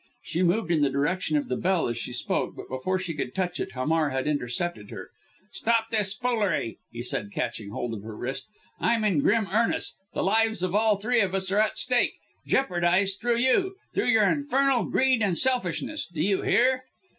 She moved in the direction of the bell as she spoke, but before she could touch it Hamar had intercepted her. "Stop this foolery!" he said catching hold of her wrist, "I'm in grim earnest the lives of all three of us are at stake jeopardized through you through your infernal greed and selfishness. Do you hear!"